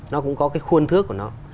nó cũng có cái khuôn thước của nó